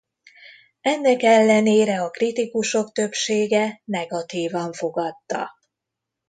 Ennek ellenére a kritikusok többsége negatívan fogadta.